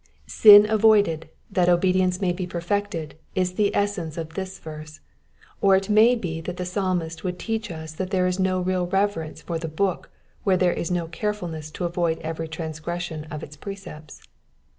Sin avoided that obedience may be perfected is the essence of this verse ; or it may be that the Psalmist would teach us that there is no real reverence for the book where there is not care fulness to avoid every transgression of its precepts.